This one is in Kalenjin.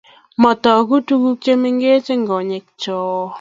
Matagu tuguk chemengechen eng konyekcho